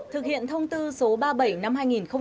thực hiện thông tư số ba mươi bảy năm hai nghìn một mươi ba